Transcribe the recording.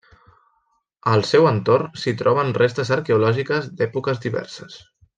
Al seu entorn s’hi troben restes arqueològiques d’èpoques diverses.